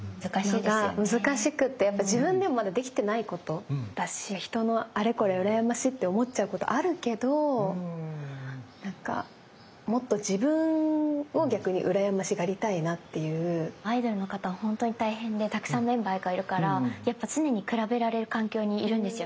難しくてやっぱ自分でもまだできてないことだし人のあれこれをうらやましいって思っちゃうことあるけどなんかもっとアイドルの方は本当に大変でたくさんメンバーがいるからやっぱ常に比べられる環境にいるんですよ